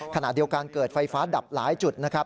ขณะเดียวกันเกิดไฟฟ้าดับหลายจุดนะครับ